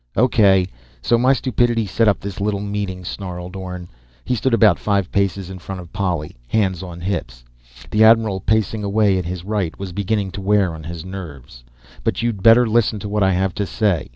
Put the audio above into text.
"O.K., so my stupidity set up this little meeting," snarled Orne. He stood about five paces in front of Polly, hands on hips. The admiral, pacing away at his right, was beginning to wear on his nerves. "But you'd better listen to what I have to say."